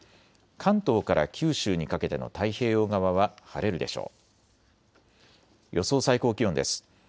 関東から九州にかけての太平洋側は晴れるでしょう。